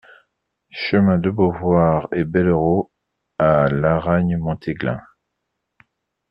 Chemin de Beauvoir et Bellerots à Laragne-Montéglin